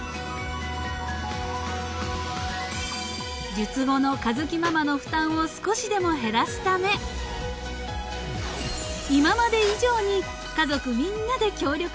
［術後の佳月ママの負担を少しでも減らすため今まで以上に家族みんなで協力し